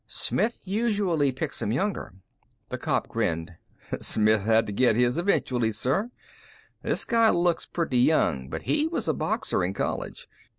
Smith usually picks 'em younger." The cop grinned. "Smith had to get his eventually, sir. This guy looks pretty young, but he was a boxer in college.